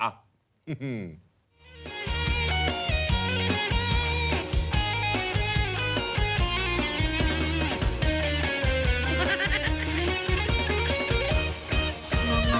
อื้อหือ